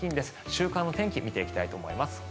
週刊の天気を見ていきたいと思います。